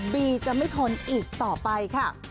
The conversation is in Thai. บีจะไม่ทนอีกต่อไปค่ะ